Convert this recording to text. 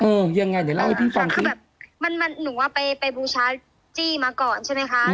ยังไงเดี๋ยวเล่าให้พี่ฟังก่อนคือแบบมันมันหนูว่าไปไปบูชาจี้มาก่อนใช่ไหมคะ